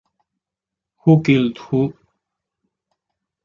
Who Killed Who?